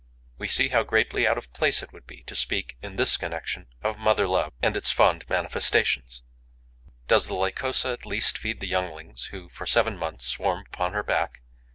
We see how greatly out of place it would be to speak, in this connection, of mother love and its fond manifestations. Does the Lycosa at least feed the younglings who, for seven months, swarm upon her back?